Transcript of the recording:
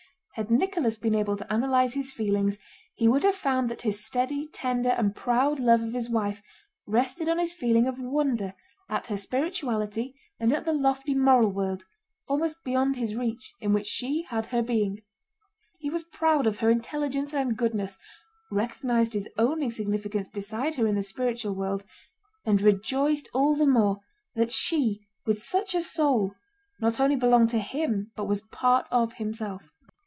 Had Nicholas been able to analyze his feelings he would have found that his steady, tender, and proud love of his wife rested on his feeling of wonder at her spirituality and at the lofty moral world, almost beyond his reach, in which she had her being. He was proud of her intelligence and goodness, recognized his own insignificance beside her in the spiritual world, and rejoiced all the more that she with such a soul not only belonged to him but was part of himself.